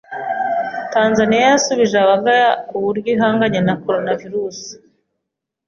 Tanzania yasubije abagaya iubuyo ihanganye na coronavirus